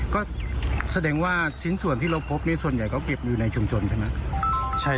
ก็แสดงว่าชิ้นส่วนที่เราพบนี่ส่วนใหญ่เขาเก็บอยู่ในชุมชนใช่ไหม